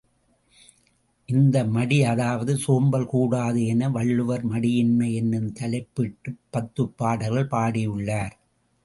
இந்த மடி அதாவது சோம்பல் கூடாது என வள்ளுவர் மடியின்மை என்னும் தலைப்பிட்டுப் பத்துப் பாடல்கள் பாடியுள்ளார்.